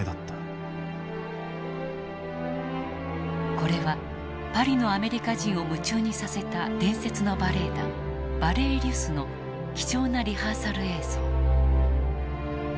これはパリのアメリカ人を夢中にさせた伝説のバレエ団バレエ・リュスの貴重なリハーサル映像。